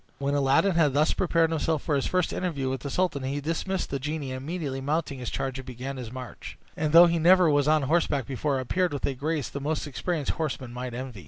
When Aladdin had thus prepared himself for his first interview with the sultan, he dismissed the genie, and immediately mounting his charger, began his march, and though he never was on horseback before, appeared with a grace the most experienced horseman might envy.